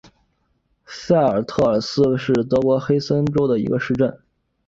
塞尔特尔斯是德国黑森州的一个市镇。